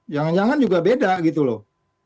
jangan jangan juga beda gitu loh